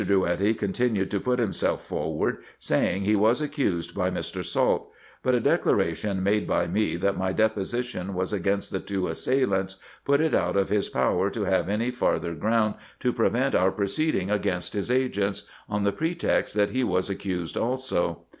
Drouetti continued to put himself forward, saying, he was accused by Mr. Salt ; but a declaration made by me, that my deposition was against the two assailants, put it out of his power to have any farther ground to prevent our proceeding against his agents, on the pretext that he was accused also.